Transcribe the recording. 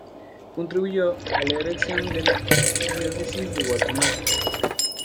Contribuyó a la erección de la archidiócesis de Guatemala.